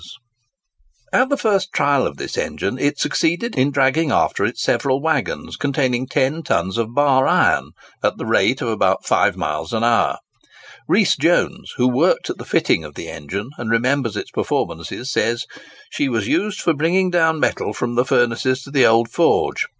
[Picture: Trevithick's High Pressure Tram Engine] At the first trial of this engine it succeeded in dragging after it several waggons, containing ten tons of bar iron, at the rate of about five miles an hour. Rees Jones, who worked at the fitting of the engine, and remembers its performances, says, "She was used for bringing down metal from the furnaces to the Old Forge.